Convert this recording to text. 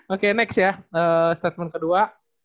oke next ya statement kedua